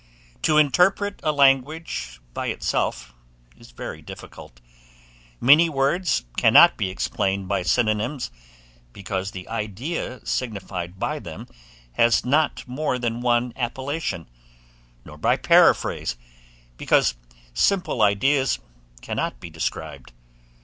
To interpret a language by itself is very difficult; many words cannot be explained by synonimes, because the idea signified by them has not more than one appellation; nor by paraphrase, because simple ideas cannot be described.